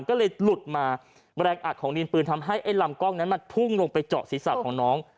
ก็เลยหลุดมาแรงอัดของดินปืนทำให้ไอ้ลำกล้องนั้นมันพุ่งลงไปเจาะศีรษะของน้อง